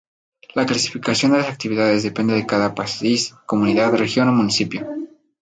La clasificación de las actividades depende de cada país, comunidad, región o municipio.